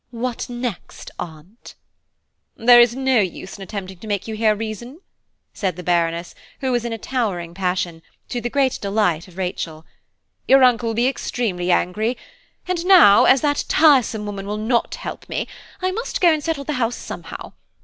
What next, Aunt?" "There is no use in attempting to make you hear reason," said the Baroness, who was in a towering passion, to the great delight of Rachel; "your uncle will be extremely angry, and now, as that tiresome woman will not help me, I must go and settle the house somehow.